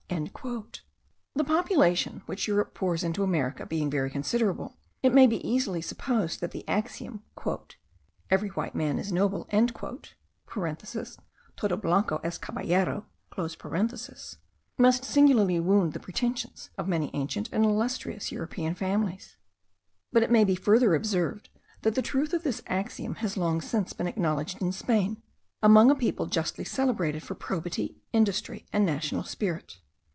The population which Europe pours into America being very considerable, it may easily be supposed, that the axiom, 'every white man is noble' (todo blanco es caballero), must singularly wound the pretensions of many ancient and illustrious European families. But it may be further observed, that the truth of this axiom has long since been acknowledged in Spain, among a people justly celebrated for probity, industry, and national spirit.